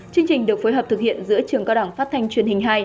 chương trình được phối hợp thực hiện giữa trường cao đảng phát thanh truyền hình hai